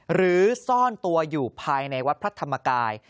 ซ่อนตัวอยู่ภายในวัดพระธรรมกาย